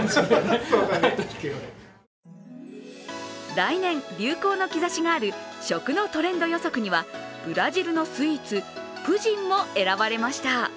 来年、流行の兆しがある食のトレンド予測にはブラジルのスイーツプヂンも選ばれました。